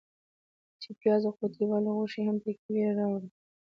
چې پیاز او قوطۍ والا غوښې هم پکې وې راوړل.